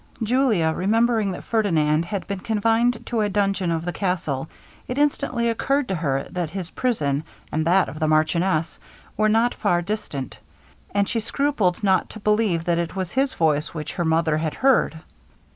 Julia remembering that Ferdinand had been confined in a dungeon of the castle, it instantly occurred to her that his prison, and that of the marchioness, were not far distant; and she scrupled not to believe that it was his voice which her mother had heard.